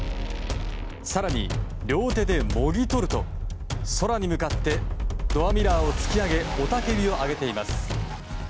更に、両手でもぎ取ると空に向かってドアミラーを突き上げ雄たけびを上げています。